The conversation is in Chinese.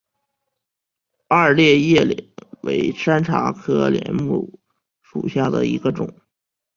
二列叶柃为山茶科柃木属下的一个种。